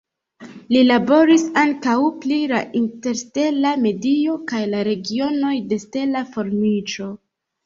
Li laboris ankaŭ pri la interstela medio kaj la regionoj de stela formiĝo.